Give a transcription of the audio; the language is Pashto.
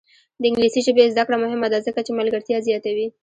د انګلیسي ژبې زده کړه مهمه ده ځکه چې ملګرتیا زیاتوي.